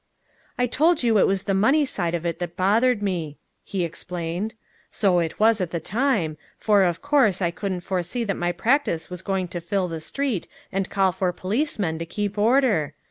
"I told you it was the money side of it that bothered me," he explained. "So it was at the time, for, of course, I couldn't foresee that my practice was going to fill the street and call for policemen to keep order.